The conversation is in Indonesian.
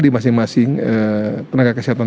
di masing masing tenaga kesehatan